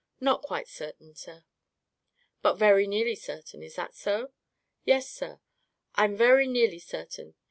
"Not quite certain, sir." "But very nearly certain. Is that so?" "Yes, sir, I'm very nearly certain.